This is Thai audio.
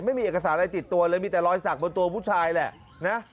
ไม่มีเอกสารอะไรติดตัวเลยมีแต่รอยสักบนตัวผู้ชายแหละนะ